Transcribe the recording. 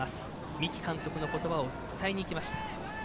三木監督の言葉を伝えにいきました。